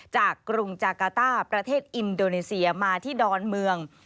กรุงจากาต้าประเทศอินโดนีเซียมาที่ดอนเมือง